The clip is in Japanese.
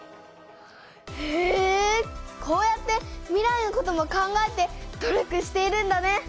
へえこうやって未来のことも考えて努力しているんだね。